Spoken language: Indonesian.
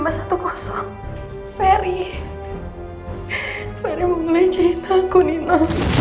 ferry mau ngelecehin aku nino